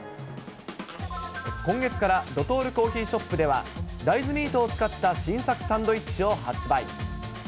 今月からドトールコーヒーショップでは、大豆ミートを使った新作サンドイッチを発売。